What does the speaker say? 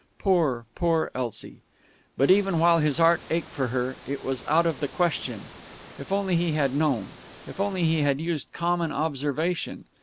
Poor, poor Elsie!... But even while his heart ached for her, it was out of the question. If only he had known! If only he had used common observation!